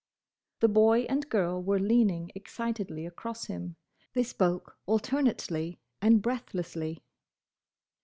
The boy and girl were leaning excitedly across him. They spoke alternately and breathlessly.